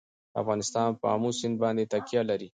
افغانستان په آمو سیند باندې تکیه لري.